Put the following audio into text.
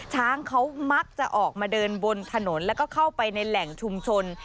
ช้างเขามักจะออกมาเดินบนถนนแล้วก็เข้าไปในแหล่งชุมชน